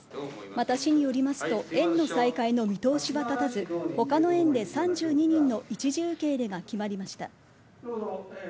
また、市によりますと園の再開の見通しは立たず他の園で３２人の一時受け入れが決まりました。